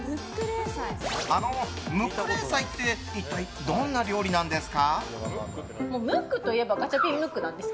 あの、ムック冷菜って一体どんな料理なんですか？